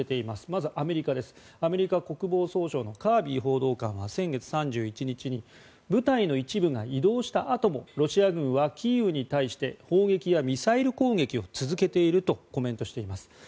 まずアメリカ国防総省のカービー報道官は先月３１日に部隊の一部が移動したあともロシア軍はキーウに対して砲撃やミサイル攻撃を続けているとコメントしています。